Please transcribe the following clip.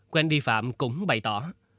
quên đi phạm cũng bày tỏ